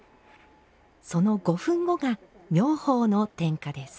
その５分後が妙法の点火です。